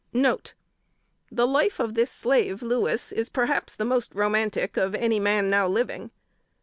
NOTE. The life of this slave Louis is perhaps the most romantic of any man now living.